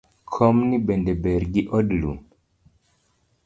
Komni bende ber gi od lum?